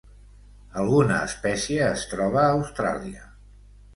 Alguna espècie es troba Austràlia.